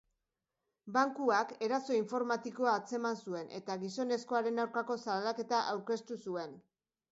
Bankuak eraso informatikoa atzeman zuen eta gizonezkoaren aurkako salaketa aurkeztu zuen.